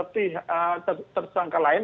pihak tersangka lain